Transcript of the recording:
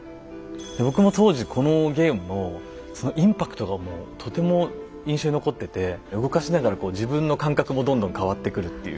僕も当時このゲームのそのインパクトがもうとても印象に残ってて動かしながらこう自分の感覚もどんどん変わってくるっていう。